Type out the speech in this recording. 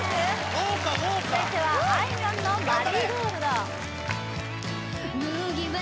豪華豪華続いてはあいみょんの「マリーゴールド」うわ